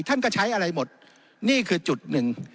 ท่านก็ใช้อะไรหมดนี่คือจุดหนึ่ง